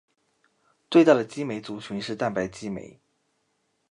最大的激酶族群是蛋白激酶。